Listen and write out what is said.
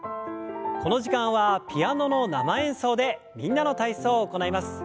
この時間はピアノの生演奏で「みんなの体操」を行います。